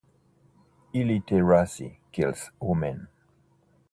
Illiteracy kills women.